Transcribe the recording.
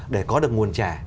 để có được nguồn trả